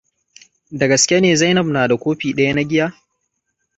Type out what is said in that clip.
Da gaske ne Zainab na da kofi ɗaya na giya.